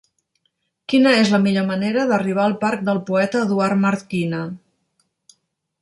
Quina és la millor manera d'arribar al parc del Poeta Eduard Marquina?